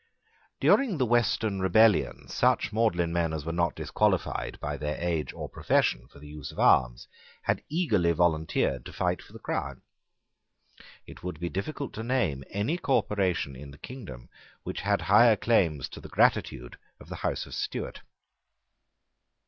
During the Western rebellion such Magdalene men as were not disqualified by their age or profession for the use of arms had eagerly volunteered to fight for the crown. It would be difficult to name any corporation in the kingdom which had higher claims to the gratitude of the House of Stuart.